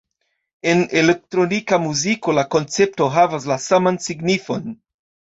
En elektrona muziko la koncepto havas la saman signifon.